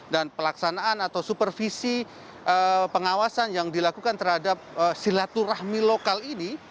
dan pelaksanaan atau supervisi pengawasan yang dilakukan terhadap silaturahmi lokal ini